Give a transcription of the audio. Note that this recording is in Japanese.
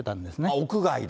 屋外で？